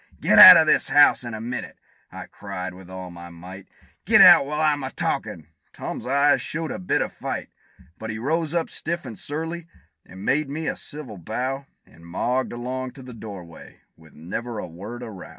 "Get out of this house in a minute!" I cried, with all my might: "Get out, while I'm a talkin'!" Tom's eyes showed a bit of fight; But he rose up, stiff and surly, and made me a civil bow, And mogged along to the door way, with never a word of row.